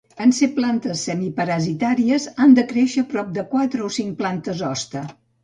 En ser plantes semiparàsites han de créixer prop de quatre o cinc plantes hoste.